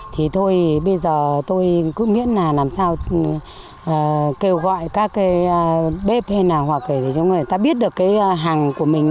thì thôi bây giờ tôi cứ miễn là làm sao kêu gọi các bếp hay nào hoặc người ta biết được cái hàng của mình